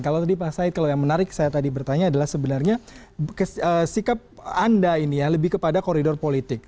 kalau tadi pak said kalau yang menarik saya tadi bertanya adalah sebenarnya sikap anda ini ya lebih kepada koridor politik